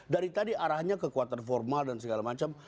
dari tadi arahnya kekuatan formal dan segala macam